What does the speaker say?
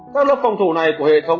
các lớp phòng thủ này của hệ thống